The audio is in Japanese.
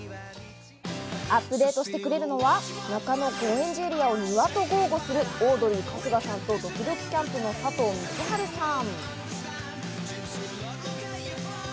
アップデートしてくれるのは、中野・高円寺エリアを庭と豪語するオードリー・春日さんと、どきどきキャンプの佐藤満春さん。